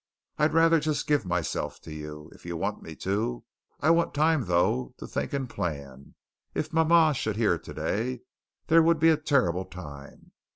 I'd rather just give myself to you, if you want me to. I want time though, to think and plan. If mama should hear today, there would be a terrible time.